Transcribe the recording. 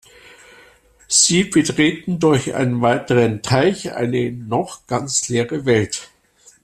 Sie betreten durch einen weiteren Teich eine noch ganz leere Welt.